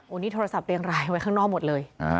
นี่โทรศัพท์เรียงรายไว้ข้างนอกหมดเลย